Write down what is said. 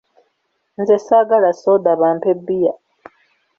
Nze saagala soda bampe bbiya.